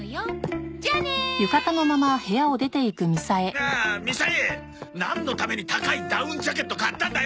あっみさえなんのために高いダウンジャケット買ったんだよ！